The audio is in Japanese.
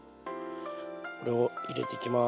これを入れていきます。